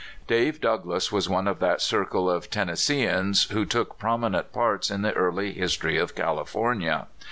Dave Douglass was one of that circle of Ten nesseeans who took prominent parts in the early history of California.